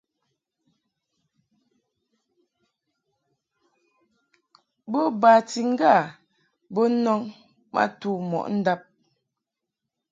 Bo bati ŋga to nɔŋ ma tu mɔʼ ndab.